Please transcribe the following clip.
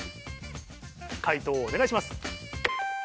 解答お願いします。